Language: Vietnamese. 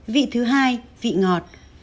vị thứ hai vị ngọt